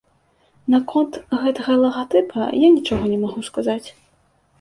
Наконт гэтага лагатыпа я нічога не магу сказаць.